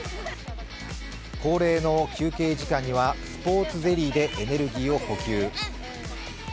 恒例の休憩時間にはスポーツゼリーでエネルギーを補給。